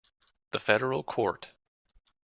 The federal court.